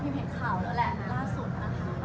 เห็นข่าวแล้วแหละนะล่าสุดนะคะ